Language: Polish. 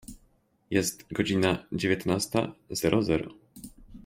Jest godzina dziewiętnasta zero zero.